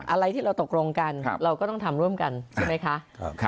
อะไรที่เราตกลงกันเราก็ต้องทำร่วมกันใช่ไหมคะ